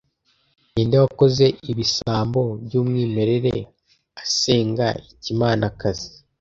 Ninde wakoze ibisambo byumwimerere asenga Ikimanakazi